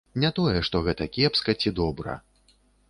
Не тое, што гэта кепска ці добра.